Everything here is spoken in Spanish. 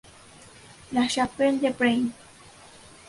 La Chapelle-de-Brain